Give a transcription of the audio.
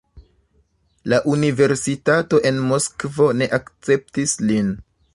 La universitato en Moskvo ne akceptis lin.